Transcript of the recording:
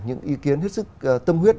những ý kiến hết sức tâm huyết